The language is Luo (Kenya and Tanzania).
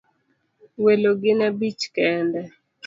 Welo gin abich kende